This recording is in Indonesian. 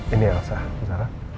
ini ya sa bu sarah